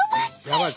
やばい